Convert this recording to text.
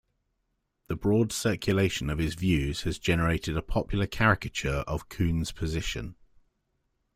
The broad circulation of his views has generated a popular caricature of Kuhn's position.